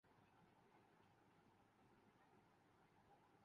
اوگرا نے پیٹرولیم مصنوعات کی قیمتوں میں اضافے کی سفارش کردی